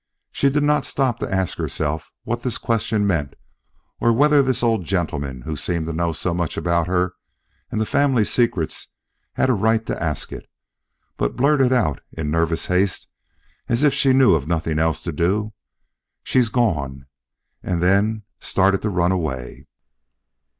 She did not stop to ask herself what this question meant or whether this old gentleman who seemed to know so much about her and the family's secrets had a right to ask it, but blurted out in nervous haste as if she knew of nothing else to do, "She's gone," and then started to run away.